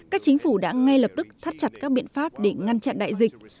các chính phủ đã ngay lập tức thắt chặt các biện pháp để ngăn chặn đại dịch